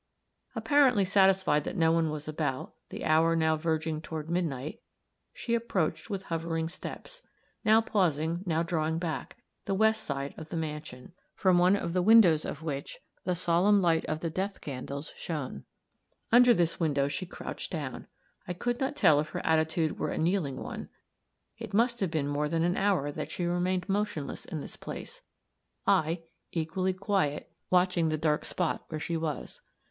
Apparently satisfied that no one was about the hour now verging toward midnight she approached with hovering steps, now pausing, now drawing back, the west side of the mansion, from one of the windows of which the solemn light of the death candles shone. Under this window she crouched down. I could not tell if her attitude were a kneeling one. It must have been more than an hour that she remained motionless in this place; I, equally quiet, watching the dark spot where she was.